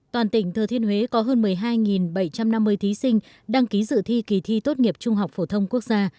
toàn tỉnh thừa thiên huế có hơn một mươi hai bảy trăm năm mươi thí sinh đăng ký dự thi kỳ thi tốt nghiệp trung học phổ thông quốc gia